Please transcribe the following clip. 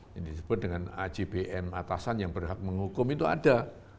yang disebut dengan ajbn atasan yang berhak menghukum itu ada